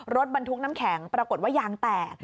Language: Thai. รถบรรทุกน้ำแข็งปรากฏว่ายางแตก